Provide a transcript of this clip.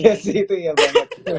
iya sih itu iya banget